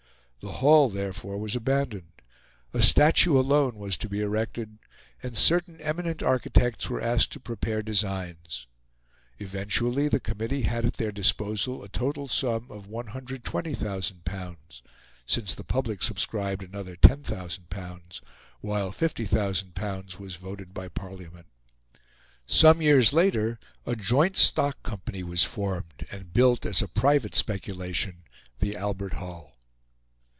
The Hall, therefore, was abandoned; a statue alone was to be erected; and certain eminent architects were asked to prepare designs. Eventually the committee had at their disposal a total sum of L120,000, since the public subscribed another L10,000, while L50,000 was voted by Parliament. Some years later a joint stock company was formed and built, as a private speculation, the Albert Hall.